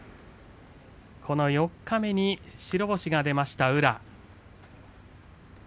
この四日目に白星が出ました宇良。